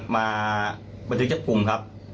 มาบันทึกจับกลุ่มครับ